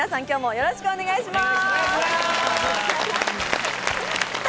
よろしくお願いします。